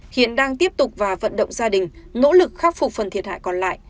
hiện đang tiếp tục và vận động gia đình nỗ lực khắc phục phần thiệt hại còn lại